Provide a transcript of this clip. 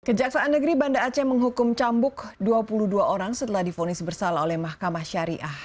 kejaksaan negeri banda aceh menghukum cambuk dua puluh dua orang setelah difonis bersalah oleh mahkamah syariah